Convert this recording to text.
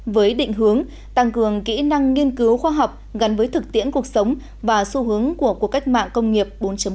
với định hướng tăng cường kỹ năng nghiên cứu khoa học gắn với thực tiễn cuộc sống và xu hướng của cuộc cách mạng công nghiệp bốn